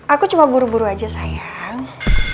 aku cuma buru buru aja sayang